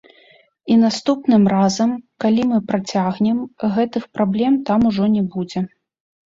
І наступным разам, калі мы працягнем, гэты х праблем там ужо не будзе.